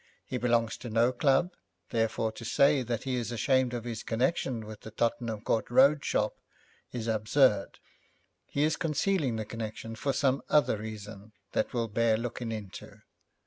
He belongs to no club, therefore to say that he is ashamed of his connection with the Tottenham Court Road shop is absurd. He is concealing the connection for some other reason that will bear looking into.'